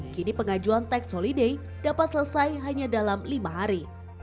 kini pengajuan tax holiday dapat selesai hanya dalam lima hari